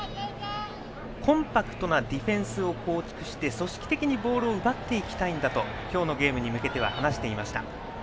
コンパクトなディフェンスを構築して組織的にボールを奪っていきたいんだと今日のゲームに向けて話していました。